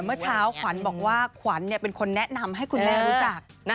เมื่อเช้าขวัญบอกว่าขวัญเป็นคนแนะนำให้คุณแม่รู้จัก